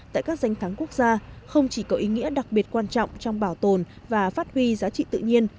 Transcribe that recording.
tại các danh thắng quốc gia không chỉ có ý nghĩa đặc biệt quan trọng trong bảo tồn và phát huy giá trị tự nhiên